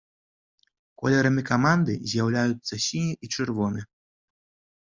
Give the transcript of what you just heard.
Колерамі каманды з'яўляюцца сіні і чырвоны.